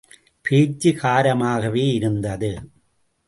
பேச்சு காரமாகவே இருந்தது.